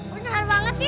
gue jahat banget sih